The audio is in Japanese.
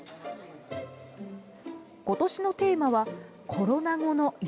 今年のテーマは「コロナ後の夢」。